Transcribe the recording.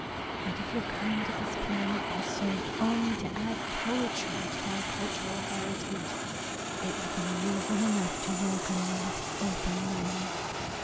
And if your coming to this planet has served only to add poetry to our cultural heritage, it would be reason enough to welcome you with open limbs.